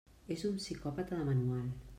És un psicòpata de manual.